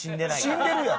死んでるやろ！